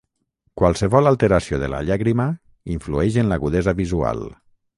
Qualsevol alteració de la llàgrima influeix en l'agudesa visual.